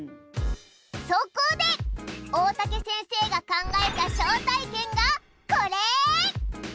そこで大竹先生が考えた招待券がこれ！